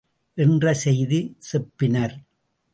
என்று செய்தி செப்பினர்.